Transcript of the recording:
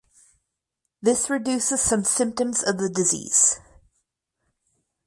This reduces some symptoms of the disease.